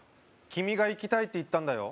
君が行きたいって言ったんだよ